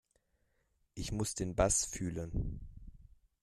Ich muss den Bass fühlen.